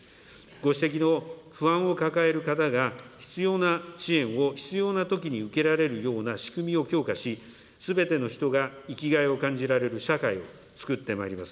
ご指摘の不安を抱える方が、必要な支援を必要なときに受けられるような仕組みを強化し、すべての人が生きがいを感じられる社会をつくってまいります。